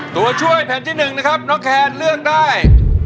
ตัวช่วยแผ่นที่๑นะครับน้องแคนเลือกได้